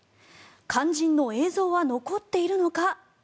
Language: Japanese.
肝心の映像は残っているのか。